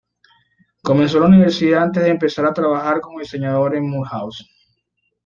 Comenzó la universidad antes de empezar a trabajar como diseñador en Mulhouse.